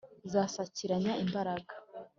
Zasakiranya imbaraga